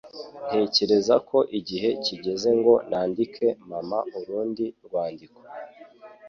Ntekereza ko igihe kigeze ngo nandike mama urundi rwandiko.